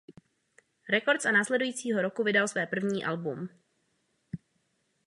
Records a následujícího roku vydal své první album.